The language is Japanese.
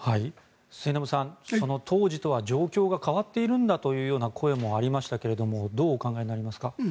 末延さん当時とは状況が変わっているんだという声もありましたけどどうお考えになりますか？